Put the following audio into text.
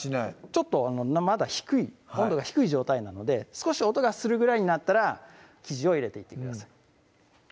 ちょっとまだ低い温度が低い状態なので少し音がするぐらいになったら生地を入れていってください